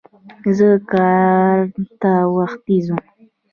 زه کار ته وختي ځم.